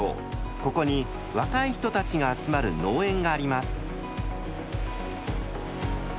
ここに若い人たちが集まる農園があります。